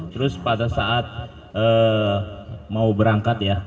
terus pada saat mau berangkat ya